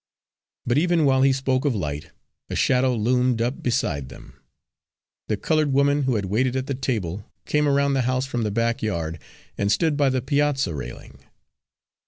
But even while he spoke of light, a shadow loomed up beside them. The coloured woman who had waited at the table came around the house from the back yard and stood by the piazza railing.